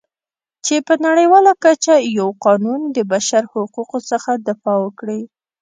چې په نړیواله کچه یو قانون د بشرحقوقو څخه دفاع وکړي.